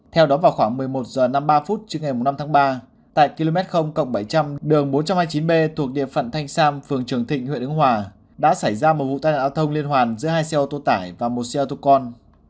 theo đó vào khoảng một mươi một h năm mươi ba phút trước ngày năm tháng ba tại km bảy trăm linh đường bốn trăm hai mươi chín b thuộc địa phận thanh sam phường trường thịnh huyện ứng hòa đã xảy ra một vụ tai nạn thông liên hoàn giữa hai xe ô tô tải và một xe ô tô con